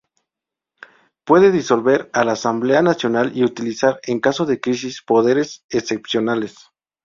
Puede disolver la Asamblea Nacional y utilizar, en caso de crisis, poderes excepcionales.